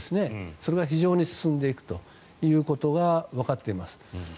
それが非常に進んでいくということがわかっています。